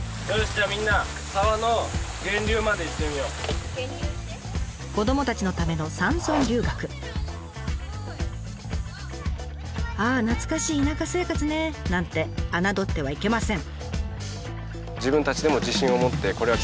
じゃあみんな子どもたちのためのああ懐かしい田舎生活ね！なんて侮ってはいけません。